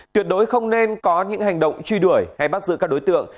tuyệt đối không nên có những hành động truy đuổi hay bắt giữ các đối tượng